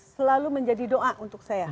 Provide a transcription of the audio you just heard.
selalu menjadi doa untuk saya